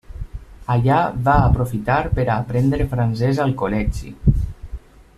Allà va aprofitar per a aprendre francès al col·legi.